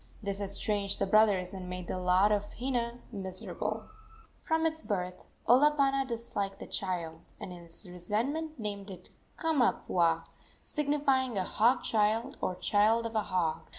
This estranged the brothers and made the lot of Hina miserable. From its birth Olopana disliked the child, and in his resentment named it Kamapuaa, signifying a hog child, or child of a hog.